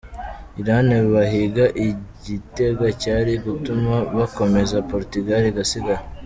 Iran bahiga igitego cyari gutuma bakomeza Portugal igasigara .